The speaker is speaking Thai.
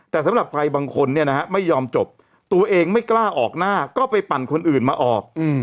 แต่สำหรับใครบางคนเนี่ยนะฮะไม่ยอมจบตัวเองไม่กล้าออกหน้าก็ไปปั่นคนอื่นมาออก